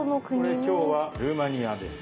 これ今日はルーマニアです。